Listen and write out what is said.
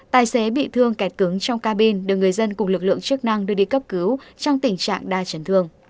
tài xế bị thương kẹt cứng trong cabin được người dân cùng lực lượng chức năng đưa đi cấp cứu trong tình trạng đa chấn thương